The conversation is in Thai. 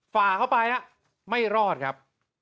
ฝ่าเข้าไปไม่รอดครับ